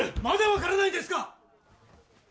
まだ分からないんですか！